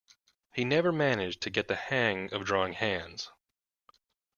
He never managed to get the hang of drawing hands.